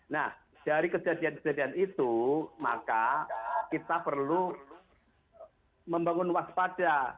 nah dari kejadian kejadian itu maka kita perlu membangun waspada